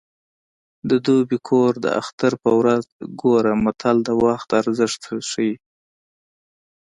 د دوبي کور د اختر په ورځ ګوره متل د وخت ارزښت ښيي